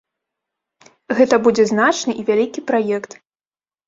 Гэта будзе значны і вялікі праект.